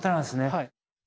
はい。